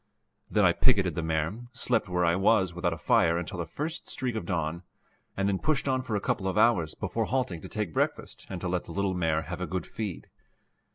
Then I picketed the mare, slept where I was without a fire until the first streak of dawn, and then pushed on for a couple of hours before halting to take breakfast and to let the little mare have a good feed.